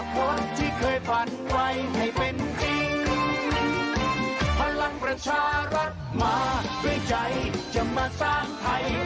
พลังประชารัฐมาด้วยใจจะมาสร้างไทย